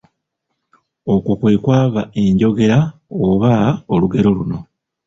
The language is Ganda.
Okwo kwe kwava enjogera oba olugero luno.